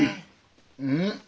うん？